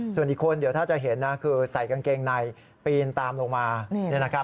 ส่วนอีกคนเดี๋ยวถ้าจะเห็นนะคือใส่กางเกงในปีนตามลงมา